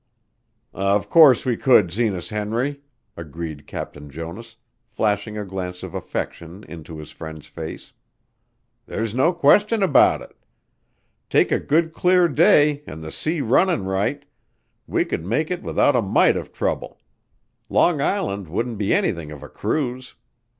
"Of course we could, Zenas Henry," agreed Captain Jonas, flashing a glance of affection into his friend's face. "There's no question about it. Take a good clear day an' the sea runnin' right, we could make it without a mite of trouble. Long Island wouldn't be anything of a cruise.